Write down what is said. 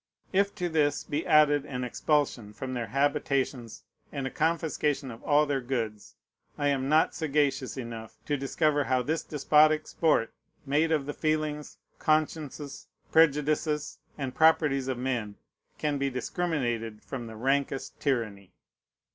If to this be added an expulsion from their habitations and a confiscation of all their goods, I am not sagacious enough to discover how this despotic sport made of the feelings, consciences, prejudices, and properties of men can be discriminated from the rankest tyranny.